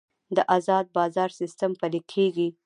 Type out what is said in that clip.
د ازاد بازار سیستم پلی کیږي